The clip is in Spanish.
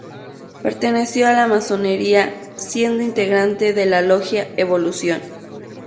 Perteneció a la Masonería, siendo integrante de la logia "Evolución".